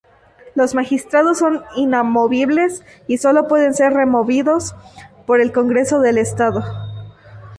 Los magistrados son inamovibles, y sólo pueden ser removidos por el Congreso del Estado.